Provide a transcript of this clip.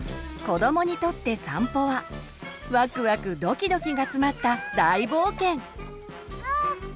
子どもにとって散歩はワクワク・ドキドキが詰まった大冒険。